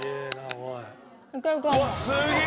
すげえ！